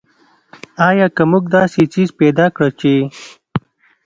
آیا که موږ داسې څیز پیدا کړ چې.